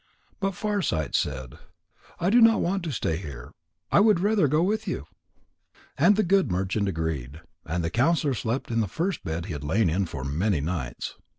But Farsight said: "I do not want to stay here. I would rather go with you." And the good merchant agreed. And the counsellor slept in the first bed he had lain in for many nights.